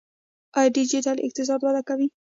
آیا ډیجیټل اقتصاد وده کوي؟